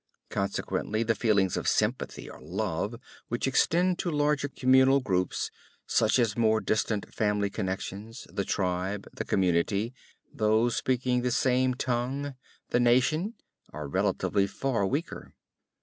Consequently the feelings of sympathy or love which extend to larger communal groups, such as more distant family connections, the tribe, the community, those speaking the same tongue, the nation, are relatively far weaker.